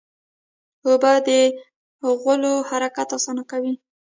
اوبه د غولو حرکت اسانه کوي.